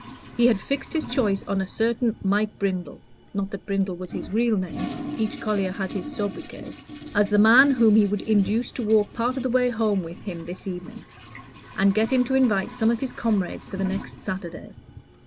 He had fixed his choice on a certain Mike Brindle (not that Brindle was his real name each collier had his sobriquet) as the man whom he would induce to walk part of the way home with him this very evening, and get to invite some of his comrades for the next Saturday.